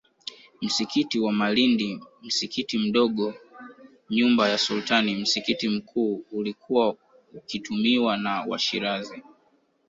Msikiti wa Malindi msikiti mdogo nyumba ya Sultani msikiti mkuu uliokuwa ukitumiwa na Washirazi